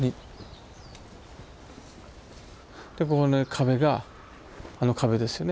でここの壁があの壁ですよね。